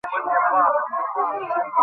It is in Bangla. ক্ষণকালের জন্যে সবাই আমরা চুপ করে রইলুম।